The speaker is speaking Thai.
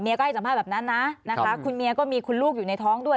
ก็ให้สัมภาษณ์แบบนั้นนะนะคะคุณเมียก็มีคุณลูกอยู่ในท้องด้วย